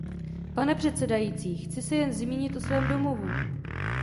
Pane předsedající, chci se jen zmínit o svém domovu.